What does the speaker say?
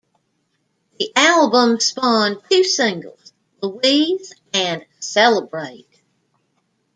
The album spawned two singles, "Louise" and "Celebrate".